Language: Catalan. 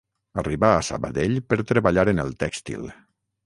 Arribà a Sabadell per treballar en el tèxtil.